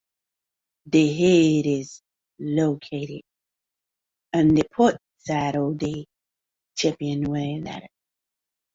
The head is located on the port side of the companionway ladder.